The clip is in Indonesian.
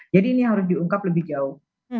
jadi ini harus diungkap lebih jauh